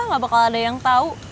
enggak lah gak bakal ada yang tau